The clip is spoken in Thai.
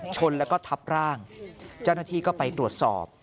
ชนแล้วก็ทับร่างเจ้าหน้าที่ก็ไปตรวจสอบ